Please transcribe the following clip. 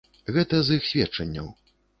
Гэта з іх сведчанняў.